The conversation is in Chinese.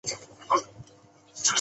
刘銮雄证实吕丽君怀孕。